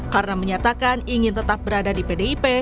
karena menyatakan ingin tetap berada di pdip